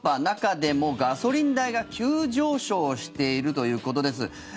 中でもガソリン代が急上昇しているということです。